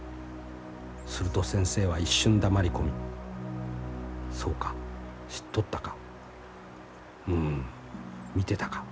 すると先生は一瞬黙り込み『そうか知っとったかうん見てたか』。